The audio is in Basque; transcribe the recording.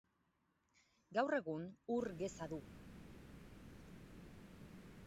Gaur egun ur geza du.